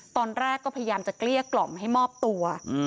ตอนแรกก็พยายามจะเกลี้ยกล่อมให้มอบตัว